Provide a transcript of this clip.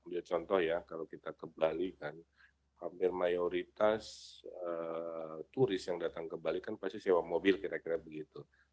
ambil contoh ya kalau kita ke bali kan hampir mayoritas turis yang datang ke bali kan pasti sewa mobil kira kira begitu